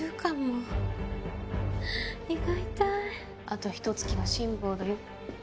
あとひと月の辛抱だよ。